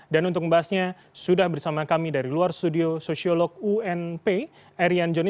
dan untuk membahasnya sudah bersama kami dari luar studio sosiolog unp aryan joni